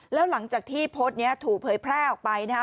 แล้วหลังจากที่โพสต์นี้ถูกเผยแพร่ออกไปนะฮะ